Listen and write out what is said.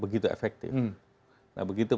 begitu efektif nah begitu